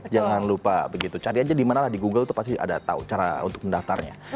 jangan lupa begitu cari aja dimana lah di google itu pasti ada tahu cara untuk mendaftarnya